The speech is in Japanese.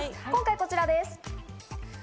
今回はこちらです。